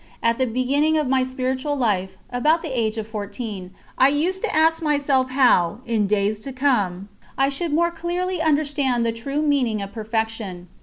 At the beginning of my spiritual life, about the age of fourteen, I used to ask myself how, in days to come, I should more clearly understand the true meaning of perfection.